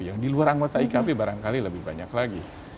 yang di luar anggota ikp barangkali lebih banyak lagi